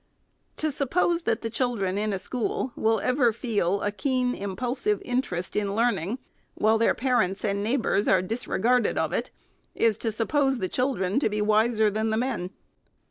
To suppose that the children in a school will ever feel a keen, impulsive interest in learn ing, while parents and neighbors are disregarded of it, is to suppose the children to be wiser than the men.